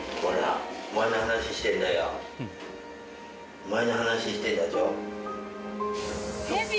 お前の話してんだじょ。